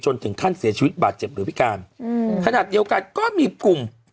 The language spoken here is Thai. ถึงขั้นเสียชีวิตบาดเจ็บหรือพิการอืมขนาดเดียวกันก็มีกลุ่ม